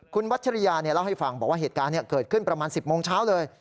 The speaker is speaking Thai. คุณวัชริยาเล่าให้ฟังบอกว่าเหตุการณ์เกิดขึ้นประมาณ๑๐โมงเช้าเลย